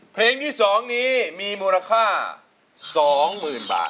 เพลงที่๒นี้มีมูลค่า๒๐๐๐บาท